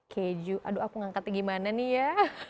keju aduh aku ngangkatnya gimana nih ya